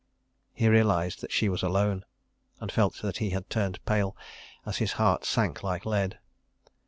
He realised that she was alone, and felt that he had turned pale, as his heart sank like lead.